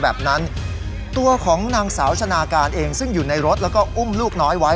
แบบนั้นตัวของนางสาวชนะการเองซึ่งอยู่ในรถแล้วก็อุ้มลูกน้อยไว้